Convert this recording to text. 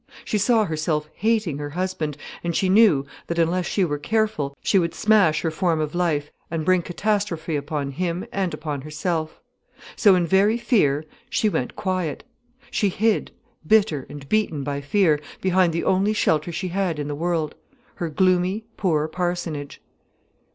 She saw herself hating her husband, and she knew that, unless she were careful, she would smash her form of life and bring catastrophe upon him and upon herself. So in very fear, she went quiet. She hid, bitter and beaten by fear, behind the only shelter she had in the world, her gloomy, poor parsonage.